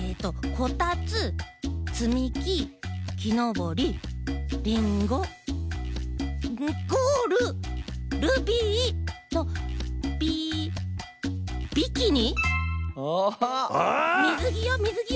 「こたつつみききのぼりリンゴゴールルビービビキニ」。